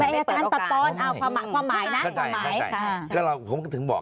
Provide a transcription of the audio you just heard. อืมไม่เปิดโอกาสเอ้าความหมายความหมายค่ะค่ะค่ะก็เราผมก็ถึงบอก